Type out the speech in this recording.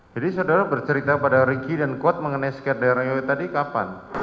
jadi saudara bercerita pada riki dan kod mengenai skedera yang tadi kapan